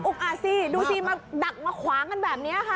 อาจสิดูสิมาดักมาขวางกันแบบนี้ค่ะ